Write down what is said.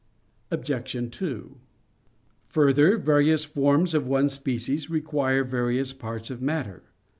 Obj. 2: Further, various forms of one species require various parts of matter.